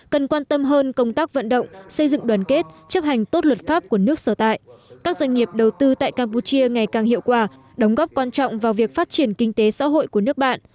các doanh nghiệp đầu tư tại campuchia ngày càng hiệu quả đóng góp quan trọng vào việc phát triển kinh tế xã hội của nước bạn